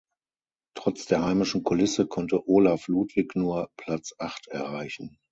Trotz der heimischen Kulisse konnte Olaf Ludwig nur Platz acht erreichen.